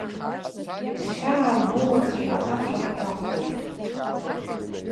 Хьаа рмоуцшәа ашәа рҳәахуеит.